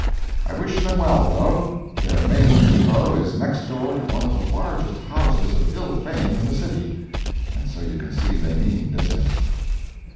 I wish them well, though. Their main depot is next door to one of the largest houses of ill fame in the city, and so you can see they mean business.